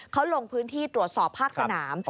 เขาลงพื้นที่ตรวจสอบภาคสนาม